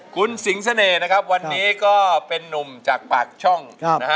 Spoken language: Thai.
คุณสิงเสน่ห์นะครับวันนี้ก็เป็นนุ่มจากปากช่องนะฮะ